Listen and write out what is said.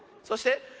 そして。